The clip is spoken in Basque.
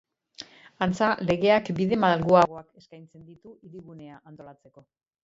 Antza, legeak bide malguagoak eskaintzen ditu Hirigunea antolatzeko.